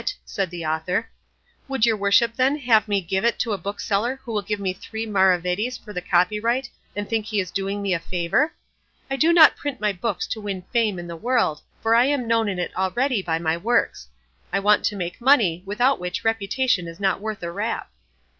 said the author, "would your worship, then, have me give it to a bookseller who will give three maravedis for the copyright and think he is doing me a favour? I do not print my books to win fame in the world, for I am known in it already by my works; I want to make money, without which reputation is not worth a rap."